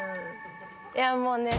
いやもうね。